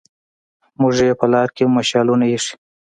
موږ يې په لار کې مشالونه ايښي